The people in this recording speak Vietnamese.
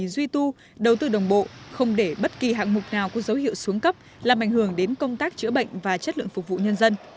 duy tu đầu tư đồng bộ không để bất kỳ hạng mục nào có dấu hiệu xuống cấp làm ảnh hưởng đến công tác chữa bệnh và chất lượng phục vụ nhân dân